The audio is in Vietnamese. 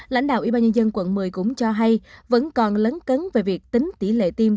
lãnh đạo ubnd quận một mươi cũng cho hay vẫn còn lấn cấn về việc tính tỷ lệ tiêm